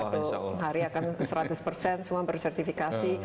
satu hari akan seratus persen semua bersertifikasi